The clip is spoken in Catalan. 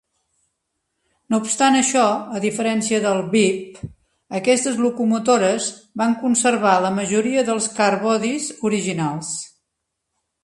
No obstant això, a diferència del "Beep", aquestes locomotores van conservar la majoria dels "Carbodies" originals.